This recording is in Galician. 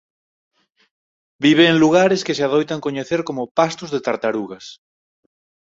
Vive en lugares que se adoitan coñecer como "pastos de tartarugas".